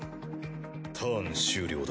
ターン終了だ。